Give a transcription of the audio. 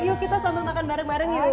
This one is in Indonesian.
yuk kita sambil makan bareng bareng yuk